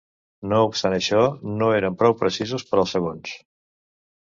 No obstant això, no eren prou precisos per als segons.